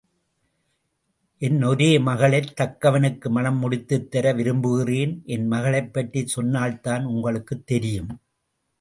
என் ஒரே மகளைத் தக்கவனுக்கு மணம் முடித்துத் தர விரும்புகிறேன். என் மகளைப் பற்றிச் சொன்னால்தான் உங்களுக்குத் தெரியும்.